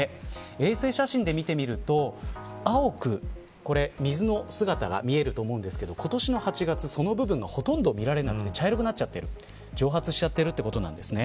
衛星写真で見ると青く水の姿が見えると思うんですけど今年の８月、その部分がほとんど見られず、茶色くなって蒸発しているということなんです。